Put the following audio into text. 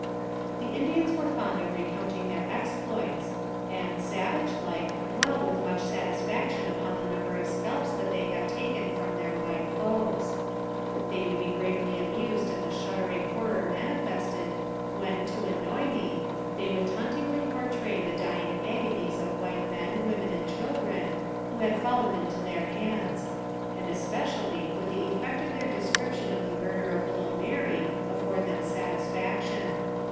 The Indians are fond of recounting their exploits, and, savage like, dwell with much satisfaction upon the number of scalps they have taken from their white foes. They would be greatly amused at the shudder ing horror manifested, when, to annoy me, they would tauntingly portray the dying agonies of white men, women, and children, who had fallen into their hands ; 144 NARRATIVE OF CAPTIVITY and especially would the effect of their description of the murder of little Mary afford them satisfaction.